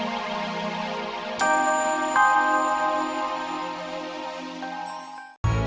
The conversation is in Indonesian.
ibu pasti mau